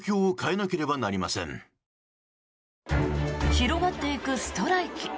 広がっていくストライキ。